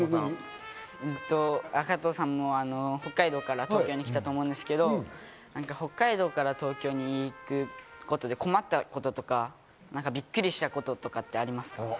加藤さんも北海道から東京に来たと思うんですけど、北海道から東京に行くことで困ったこととか、びっくりしたこととかってありますか？